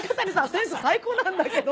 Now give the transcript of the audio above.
センス最高なんだけど。